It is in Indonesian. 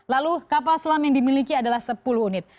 lalu kapal selam yang dimiliki adalah sepuluh unit